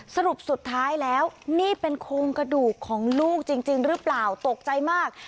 สรุปสุดท้ายแล้วนี่เป็นโครงกระดูกของลูกจริงหรือเปล่าตกใจมาก